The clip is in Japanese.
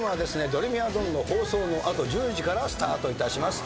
『ドレミファドン』の放送の後１０時からスタートいたします。